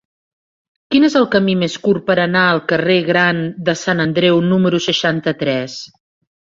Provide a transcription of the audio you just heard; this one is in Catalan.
Quin és el camí més curt per anar al carrer Gran de Sant Andreu número seixanta-tres?